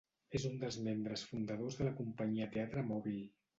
És un dels membres fundadors de la companyia Teatre Mòbil.